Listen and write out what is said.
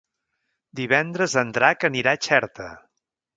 Divendres en Drac anirà a Xerta.